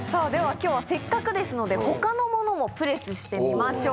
きょうは、せっかくですので、ほかのものもプレスしてみましょう。